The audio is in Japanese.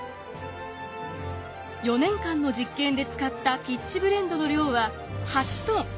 ４年間の実験で使ったピッチブレンドの量は８ｔ。